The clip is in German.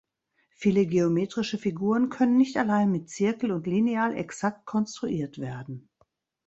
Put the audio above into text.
Viele geometrische Figuren können nicht allein mit Zirkel und Lineal exakt konstruiert werden.